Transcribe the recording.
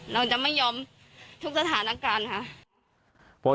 เราจะไม่ยอมทุกสถานการณ์ค่ะ